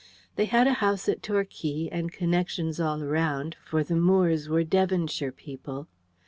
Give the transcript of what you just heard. They had a house at Torquay, and connections all around; for the Moores were Devonshire people.